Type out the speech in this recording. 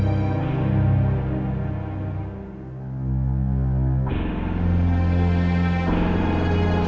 oh balai juga banyak